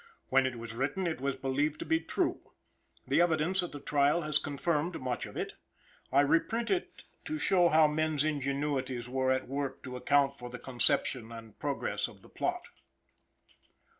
When it was written it was believed to be true: the evidence at the trial has confirmed much of it: I reprint it to show how men's ingenuities were at work to account for the conception and progress of the Plot.